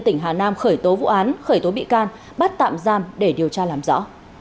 tỉnh hà nam khởi tố vụ án khởi tố bị can bắt tạm giam để điều tra làm rõ